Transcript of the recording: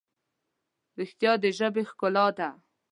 رښتیا د ژبې ښکلا ده.